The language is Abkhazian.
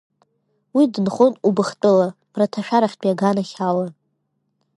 Уи дынхон Убыхтәыла, мраҭашәарахьтәи аганахь ала.